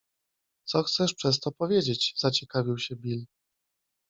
- Co chcesz przez to powiedzieć? - zaciekawił się Bill.